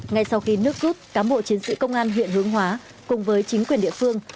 ngay sau khi nước rút cán bộ chiến sĩ công an huyện hướng hóa cùng với chính quyền địa phương